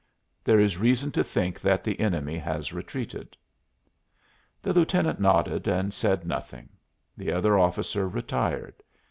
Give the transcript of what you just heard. There is reason to think that the enemy has retreated." The lieutenant nodded and said nothing; the other officer retired.